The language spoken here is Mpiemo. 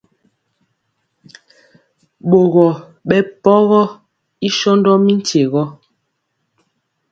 Ɓogɔ ɓɛpɔgɔ i sɔndɔ mi nkye rɔ.